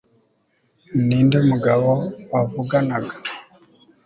Ninde mugabo wavuganaga